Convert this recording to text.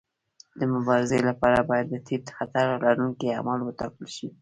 د مبارزې لپاره باید د ټیټ خطر لرونکي اعمال وټاکل شي.